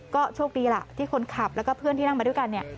ก็โชคดีล่ะที่คนขับแล้วก็เพื่อนที่นั่งมาด้วยกันเนี่ย